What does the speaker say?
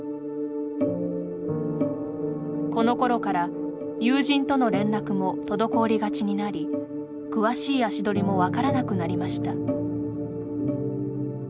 この頃から、友人との連絡も滞りがちになり詳しい足取りも分からなくなりました。